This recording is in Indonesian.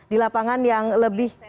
di lapangan yang lebih